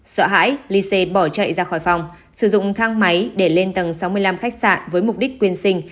sợ hãi ly xe bỏ chạy ra khỏi phòng sử dụng thang máy để lên tầng sáu mươi năm khách sạn với mục đích quyên sinh